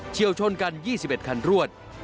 เชี่ยวชนกัน๒๑ถึงแล้ว